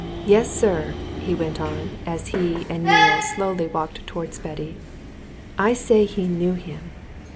Yes, sir!" he went on, as he and Neale slowly walked towards Betty. "I say he knew him!